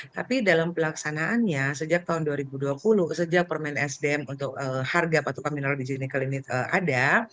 tapi dalam pelaksanaannya sejak tahun dua ribu dua puluh sejak permen sdm untuk harga patokan mineral di sini nikel ini ada